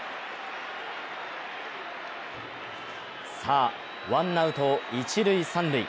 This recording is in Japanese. さあワンアウト一塁・三塁。